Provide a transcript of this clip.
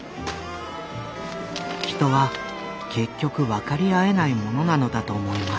「人は結局分かり合えないものなのだと思います。